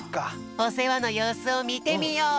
おせわのようすをみてみよう。